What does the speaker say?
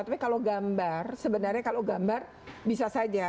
tapi kalau gambar sebenarnya kalau gambar bisa saja